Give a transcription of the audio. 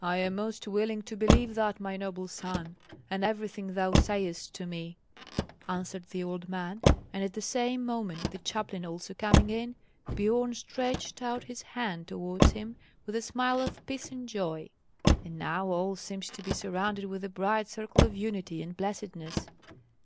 "I am most willing to believe that, my noble son, and everything thou sayest to me," answered the old man; and at the same moment the chaplain also coming in, Biorn stretched out his hand towards him with a smile of peace and joy. And now all seemed to be surrounded with a bright circle of unity and blessedness.